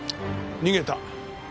逃げた。